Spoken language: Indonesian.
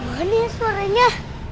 wah nih suaranya